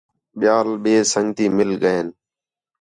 ٻِیال ٻئے سنڳتی مِل ڳئین